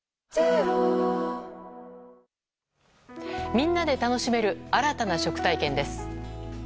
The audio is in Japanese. みんなで楽しめる新たな食体験です。